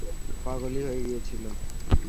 পাগলই হয়ে গিয়েছিল।